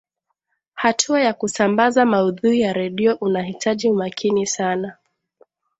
hatua ya kusambaza maudhui ya redio unahitaji umakini sana